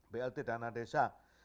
blt dana desa